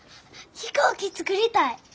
飛行機作りたい！